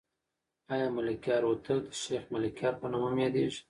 آیا ملکیار هوتک د شیخ ملکیار په نوم هم یادېږي؟